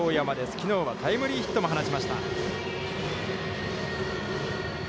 きのうはタイムリーヒットも放ちました。